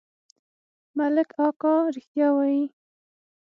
ملک اکا رښتيا وايي.